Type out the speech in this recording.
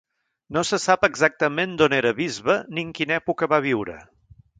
No se sap exactament d'on era bisbe ni en quina època va viure.